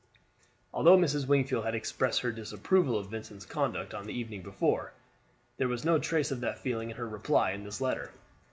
Although Mrs. Wingfield had expressed her disapproval of Vincent's conduct on the evening before, there was no trace of that feeling in her reply to this letter.